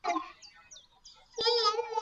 混合语是指多种语言融合产生的语言。